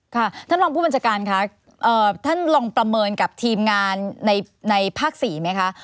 ท่านรองผู้บัญชาการคะท่านลองประเมินกับทีมงานในภาค๔ไหมคะ